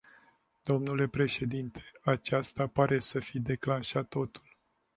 Dle președinte, aceasta pare să fi declanșat totul.